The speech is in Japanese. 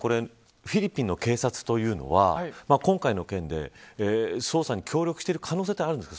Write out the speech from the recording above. フィリピンの警察というのは今回の件で捜査に協力している可能性はあるんですか。